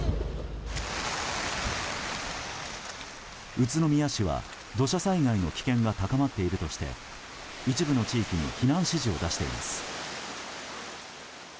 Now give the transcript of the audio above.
宇都宮市は、土砂災害の危険が高まっているとして一部の地域に避難指示を出しています。